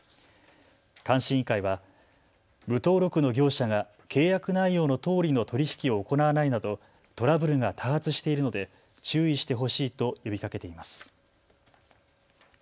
監視委員会は無登録の業者が契約内容のとおりの取り引きを行わないなどトラブルが多発しているので注意してほしいと呼びかけています。